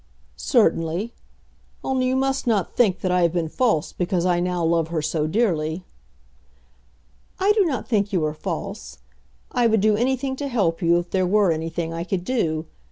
"Certainly. Only you must not think that I have been false because I now love her so dearly." "I do not think you are false. I would do anything to help you if there were anything I could do.